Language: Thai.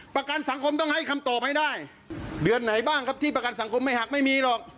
ประกันสังคมต้องให้คำตอบให้ได้เดือนไหนบ้างครับที่ประกันสังคมไม่หักไม่มีหรอก